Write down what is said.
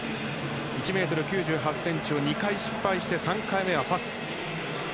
１ｍ９８ｃｍを２回失敗して３回目はパス。